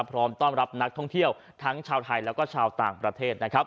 พร้อมต้อนรับนักท่องเที่ยวทั้งชาวไทยแล้วก็ชาวต่างประเทศนะครับ